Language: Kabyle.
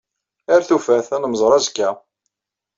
Ar tufat. Ad nemmẓer azekka.